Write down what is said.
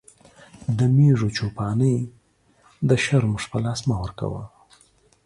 د مېږو چو پاني د شرمښ په لاس مه ورکوه.